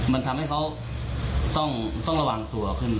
มันทำให้เขาต้องระวังตัวขึ้น